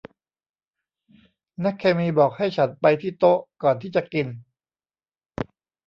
นักเคมีบอกให้ฉันไปที่โต๊ะก่อนที่จะกิน